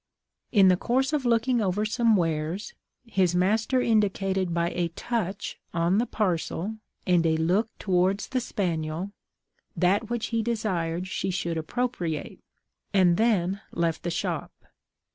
In the course of looking over some wares, his master indicated by a touch on the parcel and a look towards the spaniel, that which he desired she should appropriate, and then left the shop.